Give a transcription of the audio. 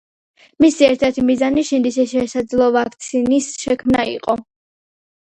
მისი ერთ-ერთი მიზანი შიდსის შესაძლო ვაქცინის შექმნა იყო.